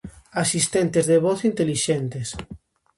Asistentes de voz intelixentes.